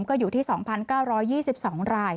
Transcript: ก็อยู่ที่๒๙๒๒ราย